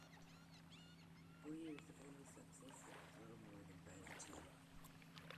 For years the family subsists on little more than bread and tea.